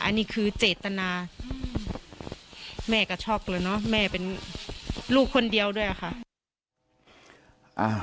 อันนี้คือเจตนาแม่ก็ช็อกเลยเนอะแม่เป็นลูกคนเดียวด้วยค่ะ